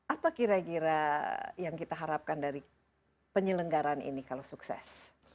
apa kira kira yang kita harapkan dari penyelenggaran ini kalau sukses